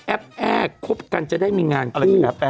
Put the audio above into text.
แอ้คบกันจะได้มีงานคู่